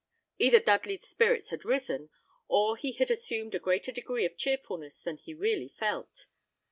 Either Dudley's spirits had risen, or he had assumed a greater degree of cheerfulness than he really felt.